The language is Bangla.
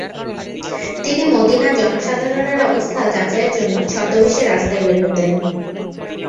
তিনি মদিনার জনসাধারণের অবস্থা যাচাইয়ের জন্য ছদ্মবেশে রাস্তায় বের হতেন।